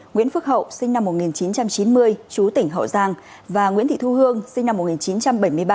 nguyễn phước hậu sinh năm một nghìn chín trăm chín mươi chú tỉnh hậu giang và nguyễn thị thu hương sinh năm một nghìn chín trăm bảy mươi ba